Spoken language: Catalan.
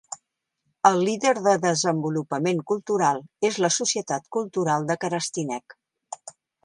El líder de desenvolupament cultural és la societat cultural de Kerestinec.